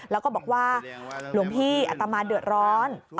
แล้วก็บอกว่าหลวงพี่อัตมาเดือดร้อน